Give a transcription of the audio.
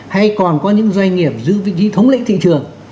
hay còn có những doanh nghiệp giữ vị trí thống lĩnh thị trường